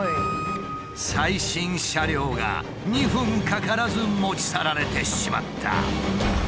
最新車両が２分かからず持ち去られてしまった。